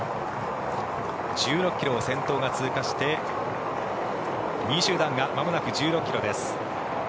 １６ｋｍを先頭が通過して２位集団がまもなく１６ｋｍです。